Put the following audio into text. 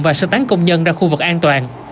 và sơ tán công nhân ra khu vực an toàn